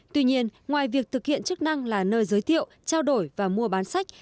tuy nhiên ngoài việc thực hiện chức năng là nơi giới thiệu trao đổi và mua bán sách